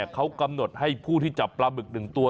เขากำหนดให้ผู้ที่จับปลาบึก๑ตัว